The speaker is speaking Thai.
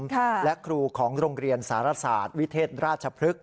ค่ะและครูของโรงเรียนสารศาสตร์วิเทศราชพฤกษ